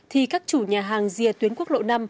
thì các chủ nhà hàng rìa tuyến quốc lộ năm